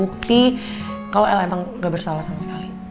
bukti kalau l emang gak bersalah sama sekali